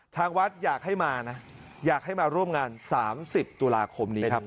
ทางวัดอยากให้มานะอยากให้มาร่วมงาน๓๐ตุลาคมนี้ครับ